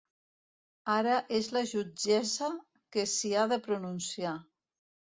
Ara és la jutgessa que s’hi ha de pronunciar.